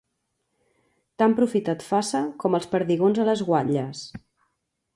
Tant profit et faça, com els perdigons a les guatlles.